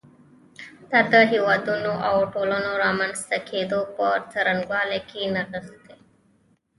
دا د هېوادونو او ټولنو د رامنځته کېدو په څرنګوالي کې نغښتی.